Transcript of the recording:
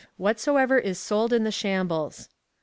Whatsoever is sold in the shambles.